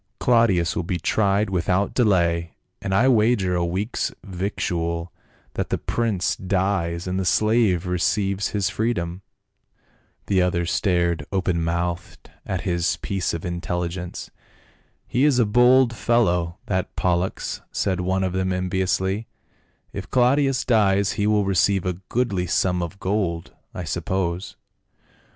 " Claudius will be tried without delay, and I wager a week's victual that the prince dies and the slave receives his freedom." The others stared open mouthed at this piece of in telligence. " He is a bold fellow, that Pollux," said one of them enviously, " if Claudius dies he will receive a goodly sum of gold, I suppose."